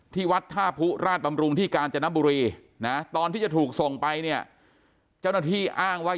ที่วัดท่าผู้ราชบำรุงที่กาญจนบุรีนะตอนที่จะถูกส่งไปเนี่ยเจ้าหน้าที่อ้างว่า